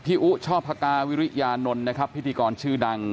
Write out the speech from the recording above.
อุช่อพกาวิริยานนท์นะครับพิธีกรชื่อดัง